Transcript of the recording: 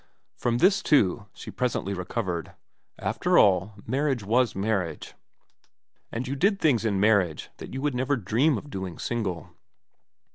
From this, too, she presently recovered. After all, marriage was marriage, and you did things in marriage that you would never dream of doing single.